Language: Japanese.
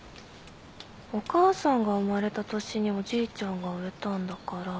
お母さんが生まれた年におじいちゃんが植えたんだから。